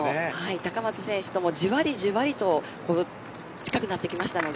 高松選手ともじわりじわりと近くなってきました。